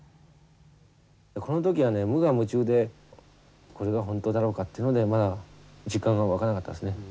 この時はね無我夢中でこれが本当だろうかっていうのでまあ実感が湧かなかったですね。